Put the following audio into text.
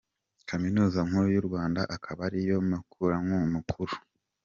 Kaminuza nkuru y’ u Rwanda akaba ariyo muterankunga mukuru.